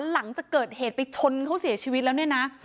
หลังจากเกิดเหตุไปชนเขาเสียชีวิตแล้วเนี่ยนะ